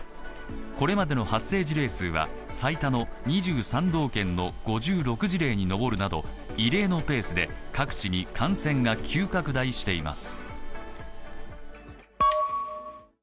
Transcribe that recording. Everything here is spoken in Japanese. これまでの発生事例数は最多の２３道県の５６事例に上るなど異例のペースで各地に感染が急拡大しています。